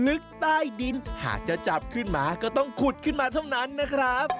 ลึกใต้ดินหากจะจับขึ้นมาก็ต้องขุดขึ้นมาเท่านั้นนะครับ